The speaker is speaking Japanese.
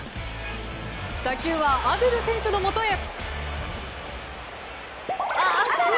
打球はアデル選手のもとへ。